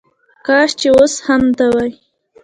کاش چې وس هم ته وای